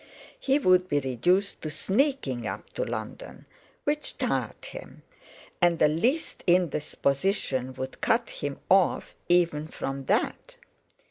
He would be reduced to sneaking up to London, which tired him; and the least indisposition would cut him off even from that.